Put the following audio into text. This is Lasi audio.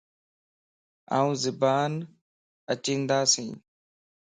آن صبان اچيندياس